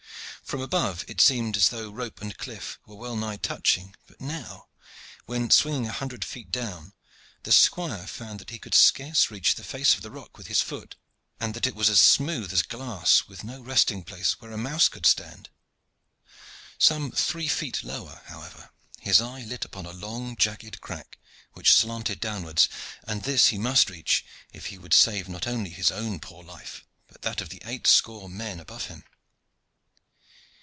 From above it seemed as though rope and cliff were well nigh touching, but now, when swinging a hundred feet down, the squire found that he could scarce reach the face of the rock with his foot, and that it was as smooth as glass, with no resting place where a mouse could stand. Some three feet lower, however, his eye lit upon a long jagged crack which slanted downwards, and this he must reach if he would save not only his own poor life, but that of the eight score men above him.